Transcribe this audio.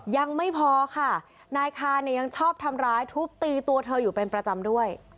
ยังไม่พอค่ะนายคาเนี่ยยังชอบทำร้ายทุบตีตัวเธออยู่เป็นประจำด้วย